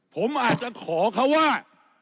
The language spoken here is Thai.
ผมอาจจะขอเขาว่า